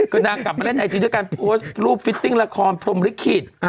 ก็นางกลับมาเล่นไอจีด้วยการโพสต์รูปฟิตติ้งละครพรมลิขิต